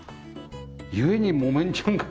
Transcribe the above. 故にもめんちゃんが。